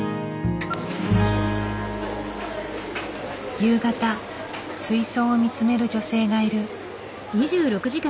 夕方水槽を見つめる女性がいる。